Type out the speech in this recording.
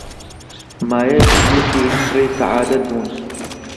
مایەی سولووکی ڕێی سەعادەت بوون